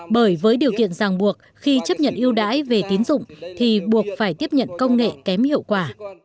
bởi với điều kiện ràng buộc khi chấp nhận yêu đãi về tín dụng thì buộc phải tiếp nhận công nghệ kém hiệu quả